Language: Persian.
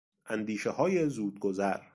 اندیشههای زود گذر